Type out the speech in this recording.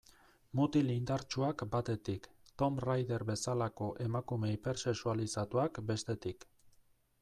Mutil indartsuak batetik, Tomb Raider bezalako emakume hipersexualizatuak bestetik.